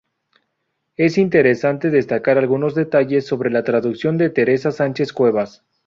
Es interesante destacar algunos detalles sobre la traducción de Teresa Sánchez Cuevas.